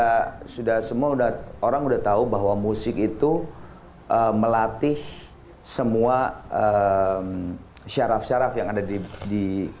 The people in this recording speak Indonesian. ini sudah semuanya udah orang udah tahu bahwa musik itu melatih semua syaraf syaraf draw